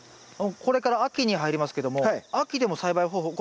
これから秋に入りますけども秋でも栽培方法